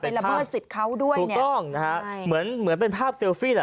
เป็นระเบิศิสของเขาด้วยเนี่ยเหมือนเป็นภาพฟิล์ฟิด์อ่ะ